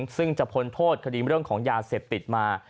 ซึ่งจะพ้นโทษคดีเรื่องของยาเสพติดมา